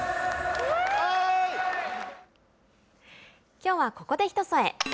きょうはここで「ひとそえ」。